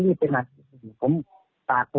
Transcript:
ก็เลยมา